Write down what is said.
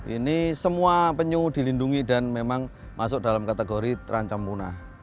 ini semua penyu dilindungi dan memang masuk dalam kategori terancam punah